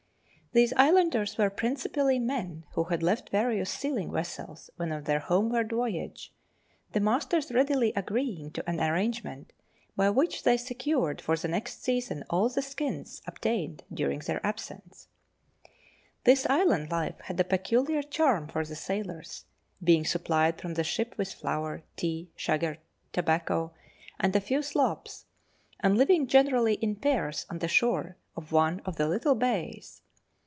These islanders were principally men who had left various sealing vessels when on their homeward voyage, the masters readily agreeing to an arrangement by which they secured for the .next season all the skins obtained during their absence. Letters from Victorian Pioneers. 303 This island life had a peculiar charm for the sailors, being sup plied from the ship with flour, tea, sugar, tobacco, and a few slops, and living generally in pairs on the shore of one of the little bays.